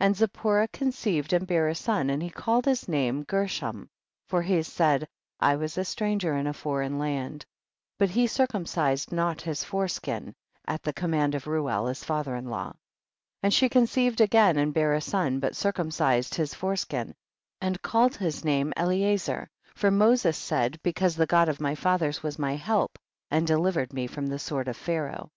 9. And Zipporah conceived and bare a son and he called his name Gershom, for he said, I was a stran ger in a foreign land ; but he circum cised not his foreskin, at the com mand of Reuel his father in law. 10. And she conceived again and bare a son, but circumcised his fore skin, and called his name Eliezer, for Moses said, because the God of my fathers was my help, and delivered me from the sword of Pharaoh.